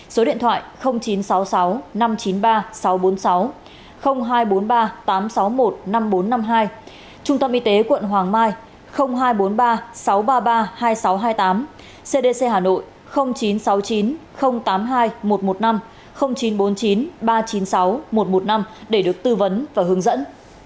số điện thoại chín trăm sáu mươi sáu năm trăm chín mươi ba sáu trăm bốn mươi sáu hai trăm bốn mươi ba tám trăm sáu mươi một năm nghìn bốn trăm năm mươi hai trung tâm y tế quận hoàng mai hai trăm bốn mươi ba sáu trăm ba mươi ba hai nghìn sáu trăm hai mươi tám cdc hà nội chín trăm sáu mươi chín tám mươi hai một trăm một mươi năm chín trăm bốn mươi chín ba trăm chín mươi sáu một trăm một mươi năm để được tư vấn và hướng dẫn